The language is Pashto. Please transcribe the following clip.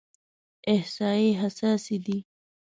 احصایې حساسې دي.